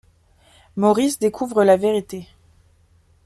Maurice découvre la vérité.